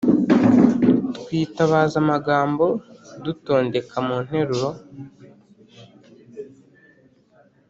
twitabaza amagambo dutondeka mu nteruro.